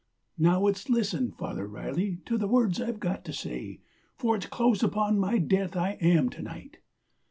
'Now, it's listen, Father Riley, to the words I've got to say, For its close upon my death I am to night.